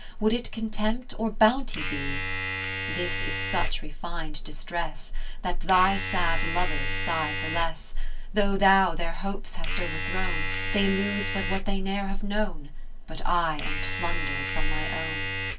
Would it contempt, or bounty be ? This is such refin'd distress. That thy sad lovers sigh for less, Rosania to Lucasia o?i her Letters Though thou their hopes hast over thrown, They lose but what they ne'er have known, 19 But I am plunder'd from my own.